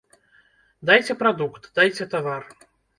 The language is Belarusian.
Дайце прадукт, дайце тавар!